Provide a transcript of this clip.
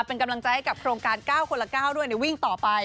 เป็นกำลังใจให้กับโครงการ๙คนละ๙ด้วยวิ่งต่อไป